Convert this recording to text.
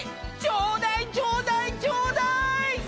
ちょうだいちょうだいちょうだい！